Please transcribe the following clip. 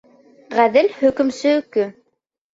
Ғәҙел хөкөмсө өкө!